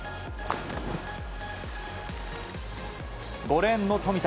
５レーンの富田